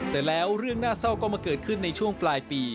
แต่แล้วเรื่องน่าเศร้าก็มาเกิดขึ้นในช่วงปลายปี